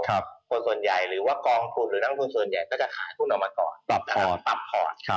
คนส่วนใหญ่หรือว่ากองทุนหรือนักลงทุนส่วนใหญ่ก็จะขายหุ้นออกมาก่อนปรับก่อน